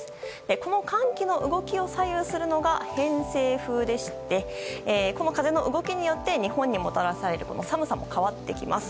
この寒気の動きを左右するのが偏西風でしてこの風の動きによって日本にもたらされる寒さも変わってきます。